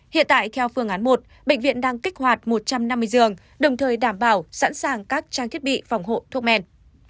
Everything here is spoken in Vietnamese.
hiện tại theo phương án một bệnh viện đang kích hoạt một trăm năm mươi giường đồng thời đảm bảo sẵn sàng các trang thiết bị phòng hộ thuốc men